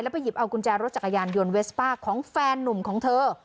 ไปหยิบเอากุญแจรถจักรยานยนต์เวสป้าของแฟนนุ่มของเธอ